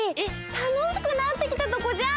たのしくなってきたとこじゃん！